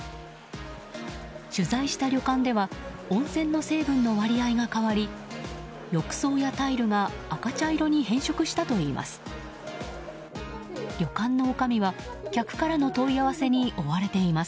取材した旅館では温泉の成分の割合が変わり浴槽やタイルが赤茶色に変色したといいます。